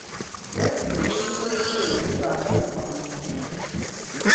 Bwe bityo eby'ekikulekule ne biba nga bikomye.